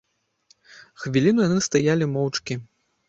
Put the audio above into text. Хвіліну яны стаялі моўчкі.